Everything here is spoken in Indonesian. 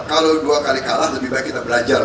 kalau dua kali kalah lebih baik kita belajar